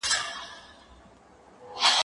زه اوس د ښوونځی لپاره امادګي نيسم!.